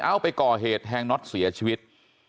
เอาไปก่อเหตุแทงน็อตเสียชีวิต